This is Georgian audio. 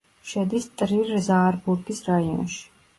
შედის ტრირ-ზაარბურგის რაიონში.